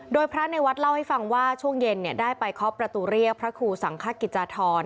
โดยพระในวัดเล่าให้ฟังว่าช่วงเย็นได้ไปเคาะประตูเรียกพระครูสังคกิจจาธร